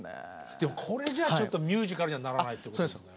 でもこれじゃちょっとミュージカルにはならないってことですよね。